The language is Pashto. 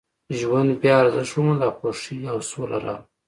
ژوند بیا ارزښت وموند او خوښۍ او سوله راغله